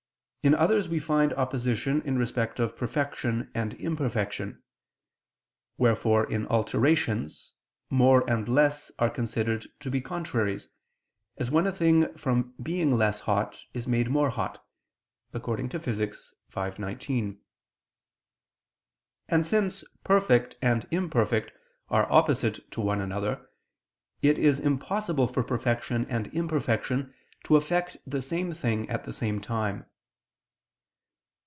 In others we find opposition in respect of perfection and imperfection: wherefore in alterations, more and less are considered to be contraries, as when a thing from being less hot is made more hot (Phys. v, text. 19). And since perfect and imperfect are opposite to one another, it is impossible for perfection and imperfection to affect the same thing at the same time.